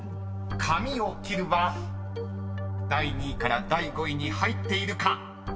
［髪を切るは第２位から第５位に入っているか］